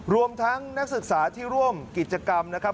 รวมทั้งนักศึกษาที่ร่วมกิจกรรมนะครับ